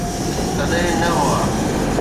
تڏهن نه هئا.